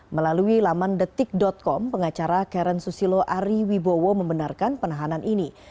melalui laman detik com pengacara karen susilo ari wibowo membenarkan penahanan ini